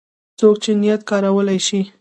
څوک چې نېټ کارولی شي